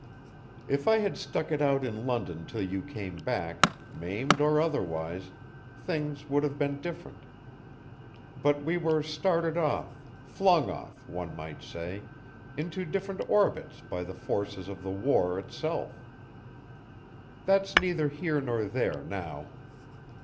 "If I had stuck it out in London till you came back, maimed or otherwise, things would have been different. But we were started off, flung off, one might say, into different orbits by the forces of the war itself. That's neither here nor there, now.